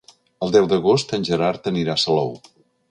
El deu d'agost en Gerard anirà a Salou.